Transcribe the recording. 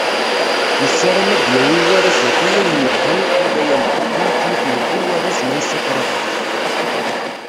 Nessarem ad d-yawi warraz-agi ayen yelhan i lwilaya-nneɣ, am wakken i t-yewwi warraz n Aysat Rabaḥ.